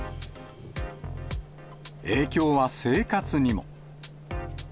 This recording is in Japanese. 影響は生活にも。